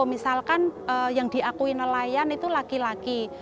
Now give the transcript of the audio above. misalkan yang diakui nelayan itu laki laki